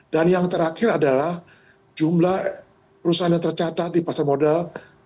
dan yang terakhir adalah jumlah perusahaan yang tercatat di pasar modal